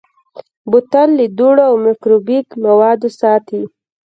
بوتل له دوړو او مکروبي موادو ساتي.